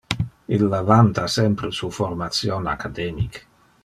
Illa vanta sempre su formation academic.